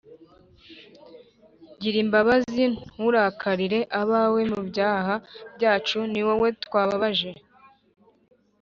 Gira imbabazi nturakarire abawe mubyaha byacu ni wowe twababaje